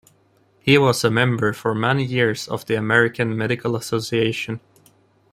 He was a member for many years of the American Medical Association.